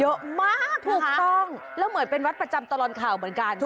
ถูกต้องแล้วเหมือนเป็นวัดประจำตลอดข่าวเหมือนกัน